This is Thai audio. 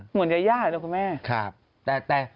เหมือนยาเหรอครับคุณแม่